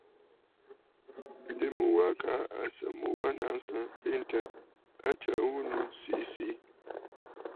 Ǹdèmu wa kaa à sɨ mu wa naŋsə nlentə, a tsəʼə ghu nu siʼi siʼi.